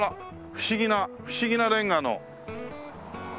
不思議な不思議なレンガの。